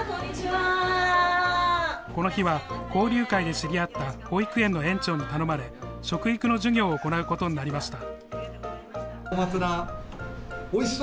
この日は、交流会で知り合った保育園の園長に頼まれ食育の授業を行うことになりました。